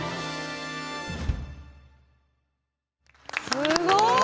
すごい！